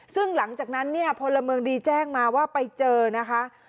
ซึ่งหลังจากนั้นเนี่ยพลเมืองดีแจ้งมาว่าไปเจอนะคะ